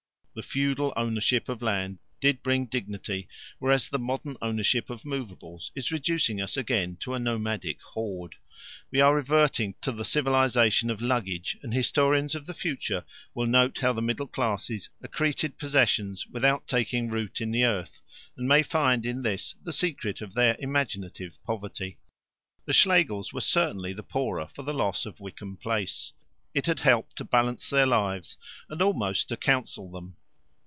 The feudal ownership of land did bring dignity, whereas the modern ownership of movables is reducing us again to a nomadic horde. We are reverting to the civilization of luggage, and historians of the future will note how the middle classes accreted possessions without taking root in the earth, and may find in this the secret of their imaginative poverty. The Schlegels were certainly the poorer for the loss of Wickham Place. It had helped to balance their lives, and almost to counsel them.